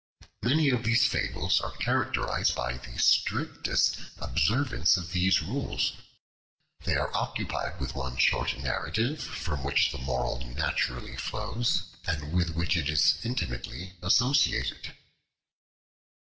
Many of these fables are characterized by the strictest observance of these rules. They are occupied with one short narrative, from which the moral naturally flows, and with which it is intimately associated.